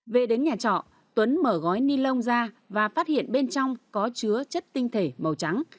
về đến nhà trọ tuấn mở gói ni lông ra và phát hiện bên trong có chứa chất tinh thể màu trắng